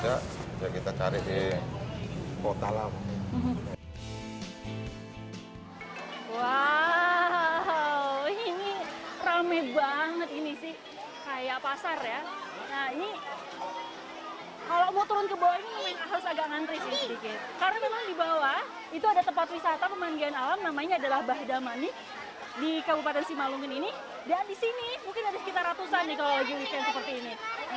dan di sini mungkin ada sekitar ratusan kalau lagi weekend seperti ini